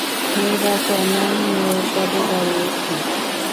নির্বাচনে মেয়র পদে দাঁড়িয়েছি।